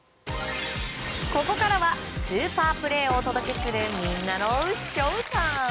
ここからはスーパープレーをお届けするみんなのＳＨＯＷＴＩＭＥ。